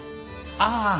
ああ。